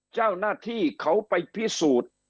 เจ้าหน้าที่เขาไปพิสูจน์